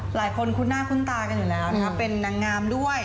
คุ้นหน้าคุ้นตากันอยู่แล้วนะครับเป็นนางงามด้วย